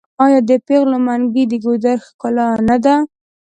آیا د پیغلو منګي د ګودر ښکلا نه ده؟